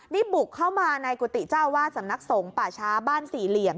นี่บุกเข้ามาในกุฏิเจ้าอาวาสสำนักสงฆ์ป่าช้าบ้านสี่เหลี่ยม